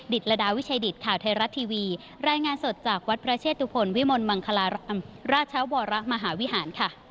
ตรดาวิชัยดิตข่าวไทยรัฐทีวีรายงานสดจากวัดพระเชตุพลวิมลมังคลารามราชวรมหาวิหารค่ะ